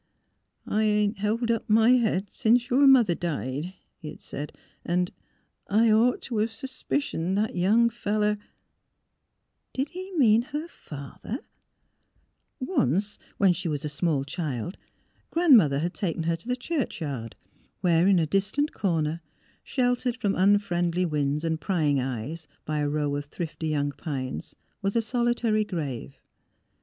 '' I ain't held up my head since your mother died," he had said, and —'^ 1 ought to ha' sus picioned that young feller " Did he mean her father? ... A NIGHT OF RAIN 105 Once, when she was a small child, Grandmother had taken her to the churchyard, where in a dis tant corner, sheltered from unfriendly winds and prying eyes by a row of thrifty young pines, was a solitary grave.